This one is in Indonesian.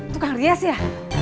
tukang rias ya